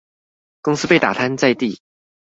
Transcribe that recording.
公司被打癱在地